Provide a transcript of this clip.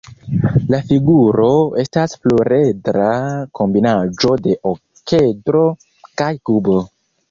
La figuro estas pluredra kombinaĵo de okedro kaj kubo.